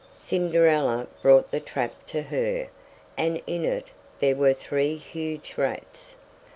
Cinderella brought the trap to her, and in it there were three huge rats.